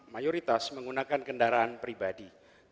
mayoritas menggunakan kendaraan pribadi